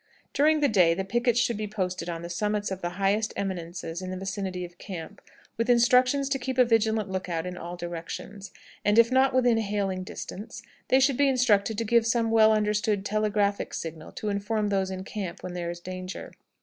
During the day the pickets should be posted on the summits of the highest eminences in the vicinity of camp, with instructions to keep a vigilant lookout in all directions; and, if not within hailing distance, they should be instructed to give some well understood telegraphic signals to inform those in camp when there is danger.